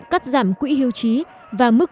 cắt giảm quỹ hiệu trí và mức